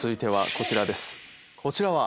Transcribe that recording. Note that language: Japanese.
こちらは？